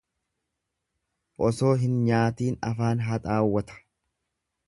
Osoo hin nyaatiin afaan haxaawwata.